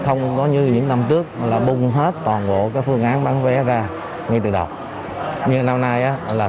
cũng như những năm trước là bung hết toàn bộ các phương án bán vé ra ngay từ đầu nhưng năm nay là